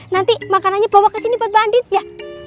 nanti makanannya bawa kesini buat mbak andin ya